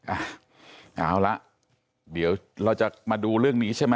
เอาละเดี๋ยวเราจะมาดูเรื่องนี้ใช่ไหม